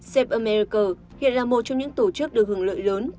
safe america hiện là một trong những tổ chức được hưởng lợi lớn từ ủy ban gây quỹ